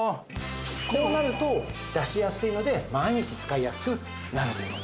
こうなると出しやすいので毎日使いやすくなるという。